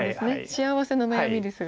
幸せな悩みですが。